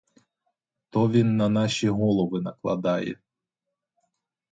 То він на наші голови накладає.